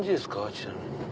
ちなみに。